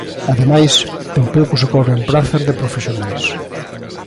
Ademais, tampouco se cobren prazas de profesionais.